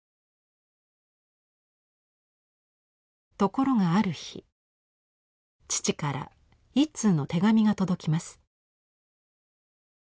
ところがある日父から１通の手紙が届きます。